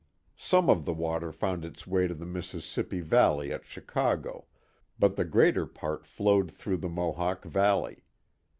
Some of the water found its way to the Mississippi Valley at Chicago; but the greater part flowed through the Mohawk Valley.